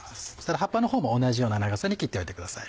葉っぱのほうも同じような長さに切っておいてください。